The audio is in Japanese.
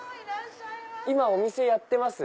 今お店やってます？